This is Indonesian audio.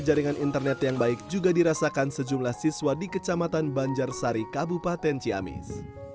jaringan internet yang baik juga dirasakan sejumlah siswa di kecamatan banjarsari kabupaten ciamis